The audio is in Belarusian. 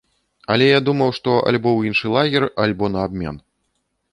Але я думаў, што альбо ў іншы лагер, альбо на абмен.